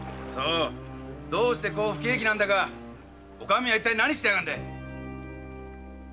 どうしてこう不景気なのかお上は一体何してやがんだ！